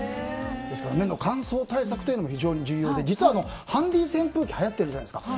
目の乾燥対策も非常に重要で実は、ハンディー扇風機がはやっているじゃないですか。